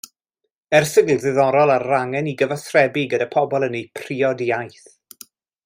Erthygl ddiddorol ar yr angen i gyfathrebu gyda pobl yn eu priod iaith.